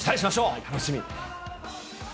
楽しみ。